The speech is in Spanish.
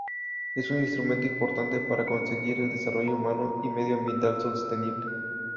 Es un instrumento importante para conseguir el desarrollo humano y medio ambiental sostenible.